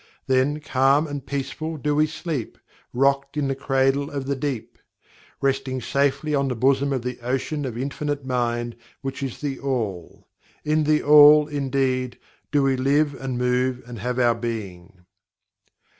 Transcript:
Then "calm and peaceful do we sleep, rocked in the Cradle of the Deep" resting safely on the bosom of the Ocean of Infinite Mind, which is THE ALL. In THE ALL, indeed, do "we live and move and have our being."